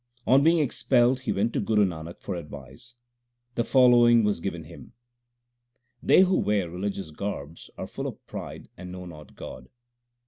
On being expelled he went to Guru Nanak for advice. The following was given him : They who wear religious garbs are full of pride and know not God.